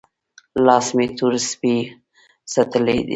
لاس مې تور سپۍ څټلی دی؟